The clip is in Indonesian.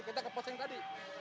kita ke pos yang tadi